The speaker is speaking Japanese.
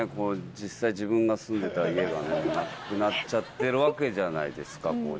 実際自分が住んでた家がなくなっちゃってるわけじゃないですか実際。